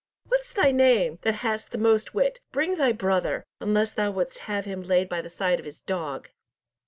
what's thy name, that hast the most wit, bring thy brother, unless thou wouldst have him laid by the side of his dog."